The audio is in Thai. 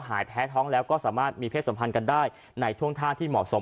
หายแพ้ท้องแล้วก็สามารถมีเพศสัมพันธ์กันได้ในท่วงท่าที่เหมาะสม